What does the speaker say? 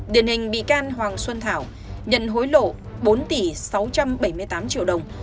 điển hình bị can hoàng xuân thảo nhận hối lộ bốn tỷ sáu trăm bảy mươi tám triệu đồng